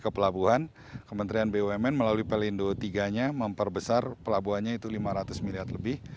ke pelabuhan kementerian bumn melalui pelindo tiga nya memperbesar pelabuhannya itu lima ratus miliar lebih